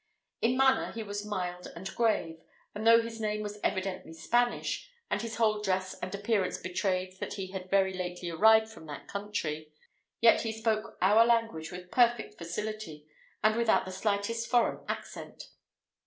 In manner he was mild and grave; and though his name was evidently Spanish, and his whole dress and appearance betrayed that he had very lately arrived from that country, yet he spoke our language with perfect facility, and without the slightest foreign accent.